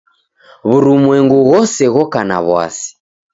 W'urumwengu ghose ghoka na w'asi.